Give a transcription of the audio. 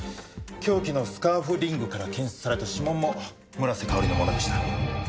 凶器のスカーフリングから検出された指紋も村瀬香織のものでした。